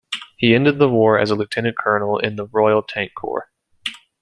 He ended the war as a Lieutenant-Colonel in the Royal Tank Corps.